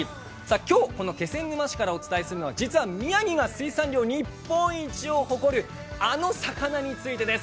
今日、この気仙沼市からお伝えするのは宮城が生産量日本一を誇るあの魚についてです。